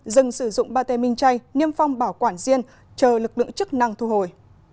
dân sử dụng bà tê minh tray niêm phong bảo quản riêng chờ lực lượng chức năng thu hồi